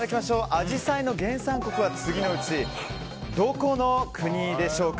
アジサイの原産国は次のうち、どこの国でしょうか。